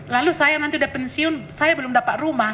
lalu saya nanti udah pensiun saya belum dapat rumah